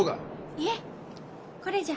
いえこれじゃ。